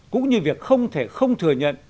cũng như việc không thể không thừa nhận